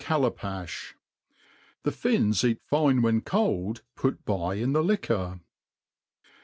Callapaih. The fins eat fine when cold put by in the liquor.